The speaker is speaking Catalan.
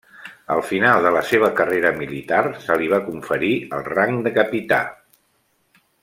Al final de la seva carrera militar, se li va conferir el rang de capità.